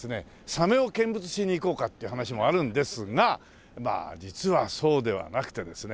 サメを見物しに行こうかっていう話もあるんですがまあ実はそうではなくてですね